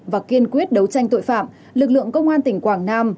và kiên quyết đấu tranh tội phạm lực lượng công an tỉnh quảng nam